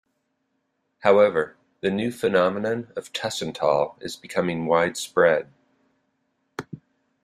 However, the new phenomenon of tussentaal is becoming widespread.